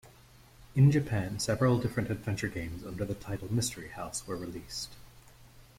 In Japan, several different adventure games under the title "Mystery House" were released.